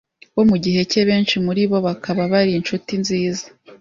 bo mu gihe cye benshi muri bo bakaba bari inshuti nziza